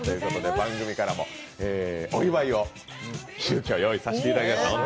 番組からもお祝いを用意させていただきました。